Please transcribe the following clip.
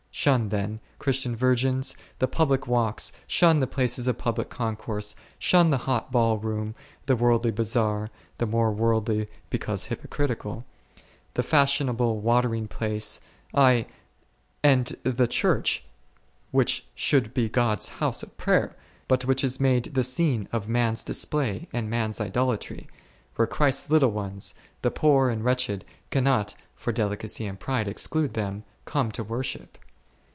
Shun then, Christian virgins, the public walks, shun the places of public concourse ; shun the hot ball room ; the worldly bazaar (the more worldly because hypocri tical) ; the fashionable watering place ; ay, and the Church, which should be God's house of prayer, but which is made the scene of man's display and man's idolatry, where Christ's little ones, the poor and o o o — o ©n ?J^oIg Ffrgmftg. 19 wretched, cannot (for delicacy and pride exclude them) come to worship.